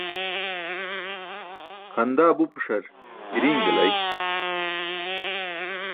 Xandaa bupuśar irii̇ṅ delay.